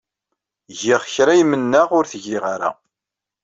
Giɣ kra ay mennaɣ ur tgiɣ ara.